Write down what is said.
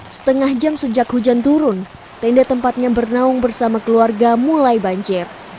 setengah jam sejak hujan turun tenda tempatnya bernaung bersama keluarga mulai banjir